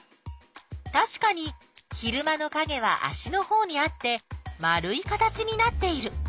たしかに昼間のかげは足のほうにあって丸い形になっている。